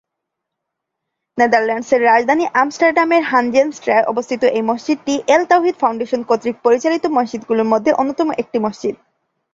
নেদারল্যান্ডসের রাজধানী আমস্টারডামের হানজেনস্ট্রায় অবস্থিত এই মসজিদটি এল তাওহীদ ফাউন্ডেশন কর্তৃক পরিচালিত মসজিদগুলোর মধ্যে অন্যতম একটি মসজিদ।